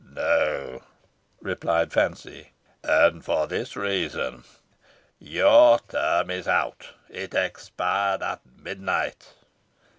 "No," replied Fancy, "and for this reason your term is out. It expired at midnight."